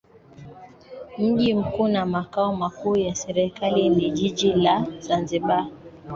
Mji mkuu na makao makuu ya serikali ni Jiji la Zanzibar